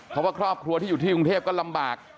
เพราะว่าครอบครัวที่อยู่ที่กรุงเทพก็ลำบาก